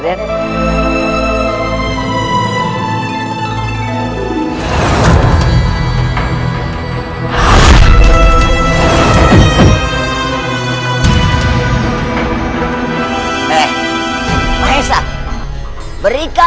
berikan kita pahala yang terbaik